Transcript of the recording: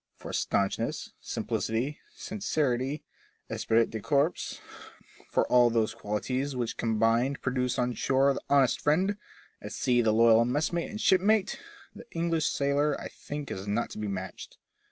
For staunchness, simplicity, sincerity, esprit de corps, for all those qualities which combined produce on shore the honest friend, at sea the loyal messmate and shipmate, the English sailor I think is not to be matched.